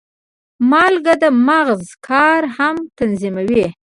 مالګه د مغز کار هم تنظیموي.